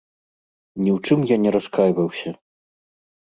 Ні ў чым я не раскайваўся.